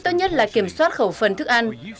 trước đây chúng tôi thường phục vụ thức ăn